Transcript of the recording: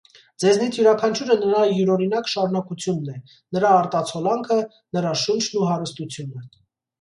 Ձեզնից յուրաքանչյուրը նրա յուրօրինակ շարունակությունն է, նրա արտացոլանքը, նրա շունչն ու հարստությունը: